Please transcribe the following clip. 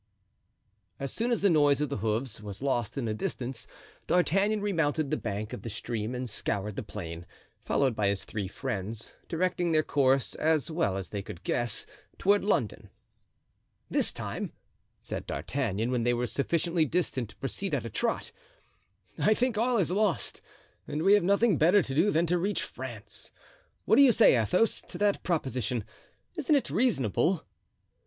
As soon as the noise of the hoofs was lost in the distance D'Artagnan remounted the bank of the stream and scoured the plain, followed by his three friends, directing their course, as well as they could guess, toward London. "This time," said D'Artagnan, when they were sufficiently distant to proceed at a trot, "I think all is lost and we have nothing better to do than to reach France. What do you say, Athos, to that proposition? Isn't it reasonable?"